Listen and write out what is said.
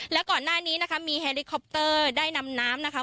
แล้วก่อนหน้านี้นะคะมีเฮลิคอปเตอร์ได้นำน้ำนะคะ